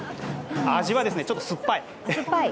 味は、ちょっとすっぱい。